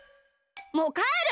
もうかえる！